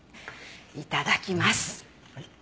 いただきます。